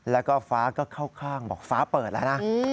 แล้วก็ฟ้าก็เข้าข้างบอกฟ้าเปิดแล้วนะ